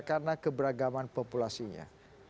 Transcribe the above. karena keberagaman populasinya